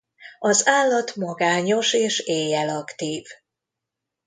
Az állat magányos és éjjel aktív.